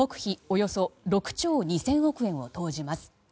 およそ６兆２０００億円を投じます。